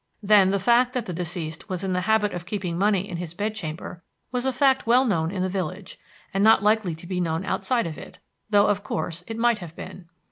Then the fact that the deceased was in the habit of keeping money in his bedchamber was a fact well known in the village, and not likely to be known outside of it, though of course it might have been.